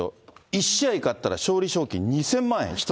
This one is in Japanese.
１試合勝ったら勝利賞金２０００万円、１人。